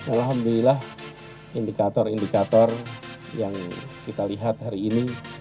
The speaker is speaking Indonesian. alhamdulillah indikator indikator yang kita lihat hari ini